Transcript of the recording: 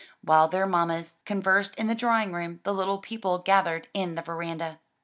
While their mammas conversed in the drawing room the little people gathered in the veranda.